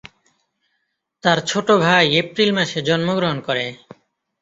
তার ছোট ভাই এপ্রিল মাসে জন্মগ্রহণ করে।